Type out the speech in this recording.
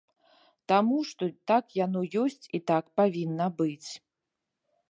Таму, што так яно ёсць і так павінна быць.